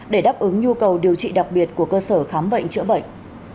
để đáp ứng nhu cầu điều trị đặc biệt của cơ sở khám bệnh chữa bệnh